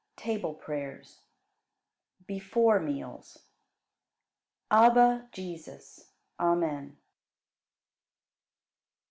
Table Prayers. Before Meals. 38. Abba, Jesus! Amen.